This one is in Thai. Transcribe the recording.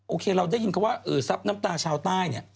โอเคเราได้ยินคำว่าทรัพย์น้ำตาชาวใต้เนี่ย